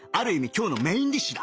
今日のメインディッシュだ！